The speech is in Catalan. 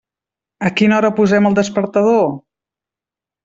A quina hora posem el despertador?